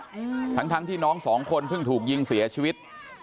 อืมทั้งทั้งที่น้องสองคนเพิ่งถูกยิงเสียชีวิต